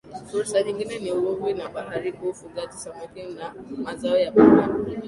Fursa nyingine ni uvuvi wa bahari kuu ufugaji samaki na mazao ya bahari